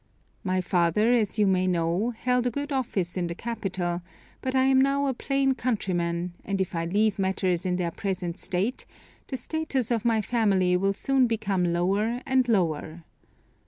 My father, as you may know, held a good office in the capital, but I am now a plain countryman, and if I leave matters in their present state, the status of my family will soon become lower and lower.